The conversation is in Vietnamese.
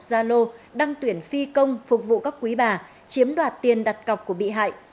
gia lô đăng tuyển phi công phục vụ các quý bà chiếm đoạt tiền đặt cọc của bị hại